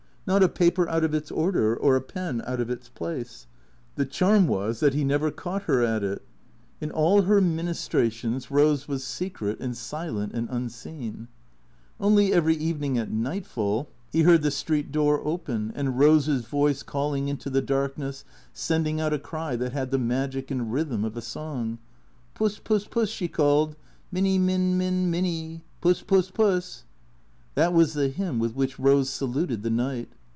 Not a paper out of its order, or a pen out of its place. The charm was that he never caught her at it. In all her ministrations Rose was secret and silent and unseen. Only every evening at nightfall he heard the street door open, and Rose's voice calling into the darkness, sending out a cry that had the magic and rhythm of a song, " Puss — Puss — Puss," she called; " Minny — Min — Min — Minny — Puss — Puss — Puss." That was the hymn with which Rose saluted the night.